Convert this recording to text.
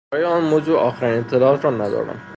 دربارهی آن موضوع آخرین اطلاعات را ندارم.